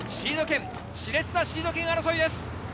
熾烈なシード権争いです。